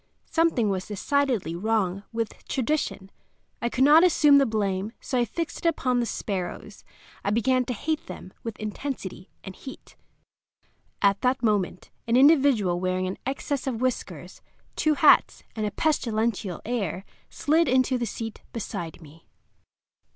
Something was decidedly wrong with tradition. I could not assume the blame, so I fixed it upon the sparrows. I began to hate them with intensity and heat. At that moment an individual wearing an excess of whiskers, two hats, and a pestilential air slid into the seat beside me.